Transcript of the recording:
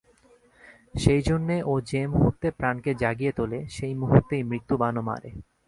সেইজন্যে ও যে মুহূর্তে প্রাণকে জাগিয়ে তোলে সেই মুহূর্তেই মৃত্যুবাণও মারে।